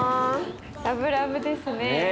ラブラブですね。